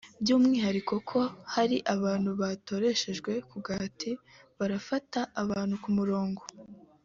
by’umwihariko ko hari abantu batoreshejwe ku gahati “barafata abantu ku mirongo